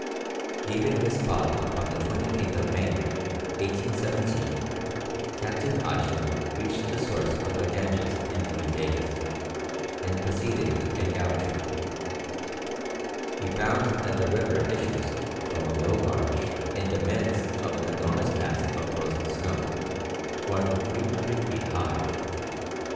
Leaving this spot upon the 28th of May, 1817, Captain Hodgson reached the source of the Ganges in three days, and proceeded to Gangautri. He found that the river issues from a low arch in the midst of an enormous mass of frozen snow, more than 300 feet high.